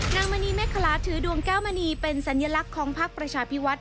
มณีเมฆคลาถือดวงแก้วมณีเป็นสัญลักษณ์ของพักประชาพิวัฒน